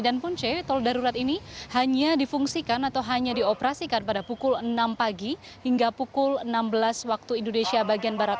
dan punce tol darurat ini hanya difungsikan atau hanya dioperasikan pada pukul enam pagi hingga pukul enam belas waktu indonesia bagian barat